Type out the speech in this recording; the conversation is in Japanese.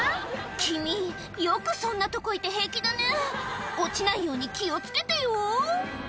君よくそんなとこいて平気だね落ちないように気を付けてよ